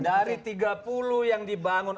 dari tiga puluh yang dibangun